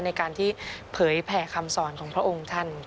ในการที่เผยแผ่คำสอนของพระองค์ท่าน